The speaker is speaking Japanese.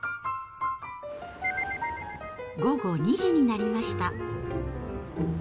午後２時になりました。